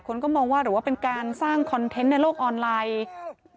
คนก็มองว่าหรือว่าเป็นการสร้างคอนเทนต์ในโลกออนไลน์